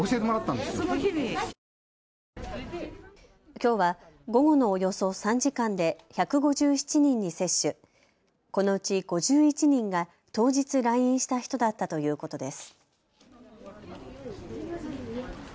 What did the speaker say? きょうは午後のおよそ３時間で１５７人に接種、このうち５１人が当日来院した人だったということです。